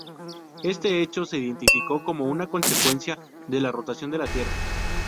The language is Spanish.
Este hecho se identificó como una consecuencia de la rotación de la Tierra.